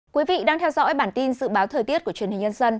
quý vị đang theo dõi bản tin dự báo thời tiết của truyền hình nhân dân